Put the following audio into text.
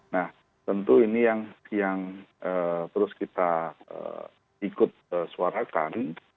nah tentu ini yang terus kita ikut suarakan